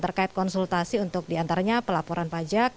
terkait konsultasi untuk diantaranya pelaporan pajak